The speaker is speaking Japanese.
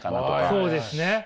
そうですね！